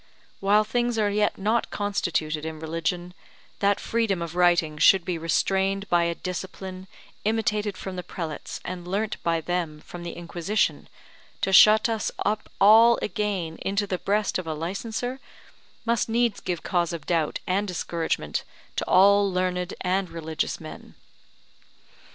While things are yet not constituted in religion, that freedom of writing should be restrained by a discipline imitated from the prelates and learnt by them from the Inquisition, to shut us up all again into the breast of a licenser, must needs give cause of doubt and discouragement to all learned and religious men.